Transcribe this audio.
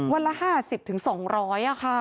วันละ๕๐ถึง๒๐๐อ่ะค่ะ